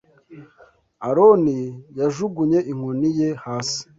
Aroni yajugunye inkoni ye hasi